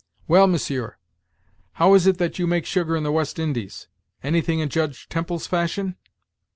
Well, monsieur, how is it that you make sugar in the West Indies; anything in Judge Temples fashion?"